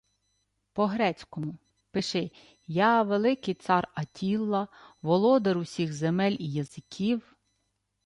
— По-грецькому. Пиши: «Я, великий цар Аттіла, володар усіх земель і язиків...»